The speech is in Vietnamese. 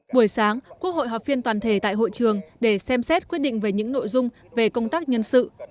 buổi sáng quốc hội họp phiên toàn thể tại hội trường để xem xét quyết định về những nội dung về công tác nhân sự